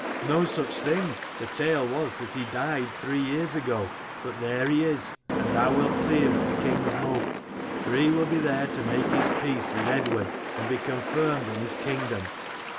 "' No such thing: the tale was that he died three years ago ; but there he is, and thou wilt see him at the king's mote, for he will be there to make his peace with Eadward and be confirmed in his kingdom.'